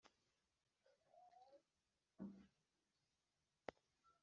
Muzamare iminsi irindwi murya imigati idasembuwe